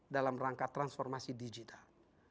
dalam rangka transformasi digital